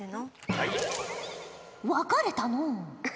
分かれたのう。